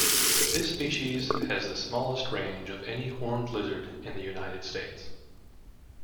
This species has the smallest range of any horned lizard in the United States.